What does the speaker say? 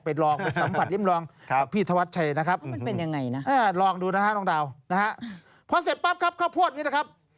พอเสร็จเค้าวโพดนี่นะครับ